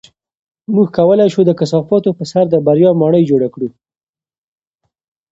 موږ کولی شو د کثافاتو په سر د بریا ماڼۍ جوړه کړو.